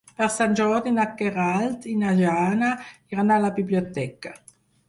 Per Sant Jordi na Queralt i na Jana iran a la biblioteca.